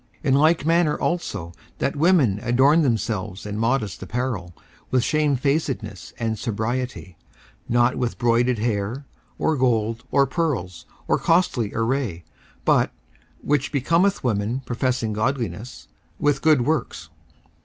54:002:009 In like manner also, that women adorn themselves in modest apparel, with shamefacedness and sobriety; not with broided hair, or gold, or pearls, or costly array; 54:002:010 But (which becometh women professing godliness) with good works.